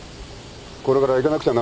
これから行かなくちゃ